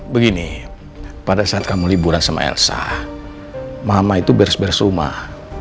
begini pada saat kamu liburan sama elsa mama itu beres beres rumah